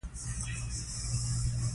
زړه د طوفانونو وروسته ارام راولي.